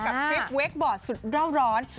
กับทริปเวคบอร์ดสุดร่าวร้อน